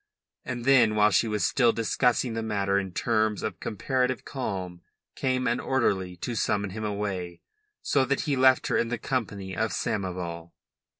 And then, while she was still discussing the matter in terms of comparative calm, came an orderly to summon him away, so that he left her in the company of Samoval.